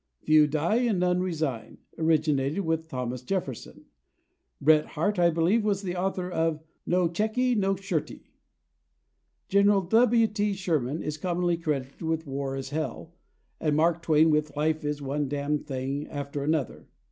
"Few die and none resign" originated with Thomas Jefferson; Bret Harte, I believe, was the author of "No check ee, no shirt ee," General W. T. Sherman is commonly credited with "War is hell," and Mark Twain with "Life is one damn thing after another."